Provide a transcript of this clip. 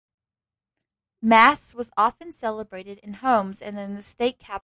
Mass was often celebrated in homes and in the state capitol.